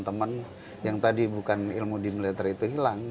teman yang tadi bukan ilmu di militer itu hilang